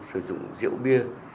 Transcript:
sử dụng rượu bia